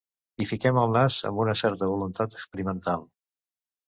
Hi fiquem el nas amb una certa voluntat experimental.